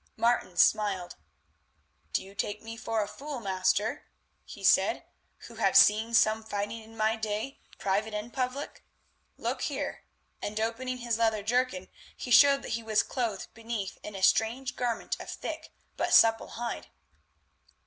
Martin smiled. "Do you take me for a fool, master," he said, "who have seen some fighting in my day, private and public? Look here," and, opening his leathern jerkin, he showed that he was clothed beneath in a strange garment of thick but supple hide.